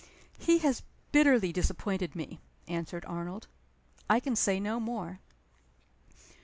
"He has bitterly disappointed me," answered Arnold. "I can say no more."